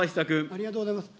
ありがとうございます。